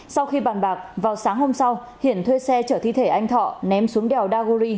sau khi bàn bạc vào sáng hôm sau hiển thuê xe chở thi thể anh thọ ném xuống đèo daguri